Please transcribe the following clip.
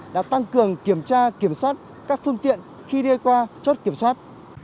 đã tăng cường kiểm tra kiểm soát các phương tiện khi đi qua chốt kiểm soát